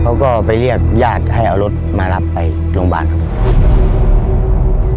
เขาก็ไปเรียกยาหรับให้เอารถมารับไปโรงพยาบาล